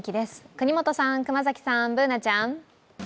國本さん、熊崎さん、Ｂｏｏｎａちゃん。